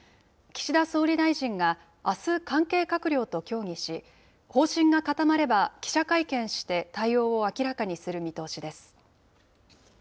岸田総理大臣があす、関係閣僚と協議し、方針が固まれば、記者会見して対応を明らかにする見通しです。